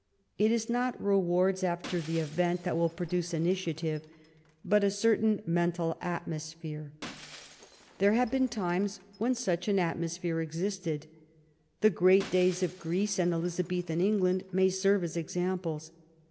It is not rewards after the event that will produce initiative, but a certain mental atmosphere. There have been times when such an atmosphere existed: the great days of Greece, and Elizabethan England, may serve as examples.